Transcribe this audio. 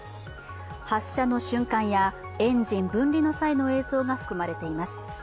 発射の瞬間やエンジン分離の際の映像が含まれています。